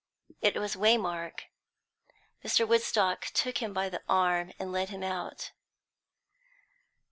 It was Waymark. Mr. Woodstock took him by the arm and led him out.